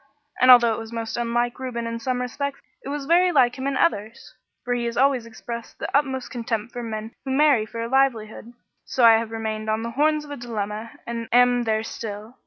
And although it was most unlike Reuben in some respects, it was very like him in others; for he has always expressed the utmost contempt for men who marry for a livelihood. So I have remained on the horns of a dilemma and am there still.